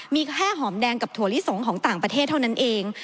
มีแค่หอมแดงกับถั่วลิสงของต่างประเทศเท่านั้นเอง